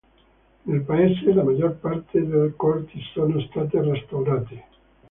Nel paese la maggior parte delle corti sono state restaurate.